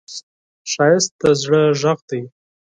ښایست د زړه غږ دی